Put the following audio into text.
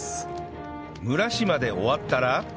蒸らしまで終わったら